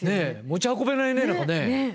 持ち運べないね何かね。